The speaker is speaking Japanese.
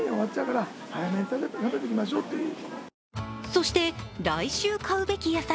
そして、来週買うべき野菜。